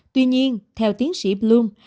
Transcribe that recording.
tuy nhiên theo tiến sĩ moore